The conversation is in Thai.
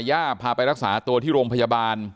พาไปรักษาตัวที่โรงพยาบาล